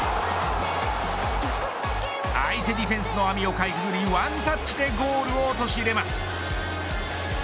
相手ディフェンスの網をかいくぐりワンタッチでゴールを陥れます。